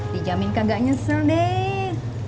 dijamin kagak nyesel deh